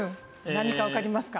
何かわかりますか？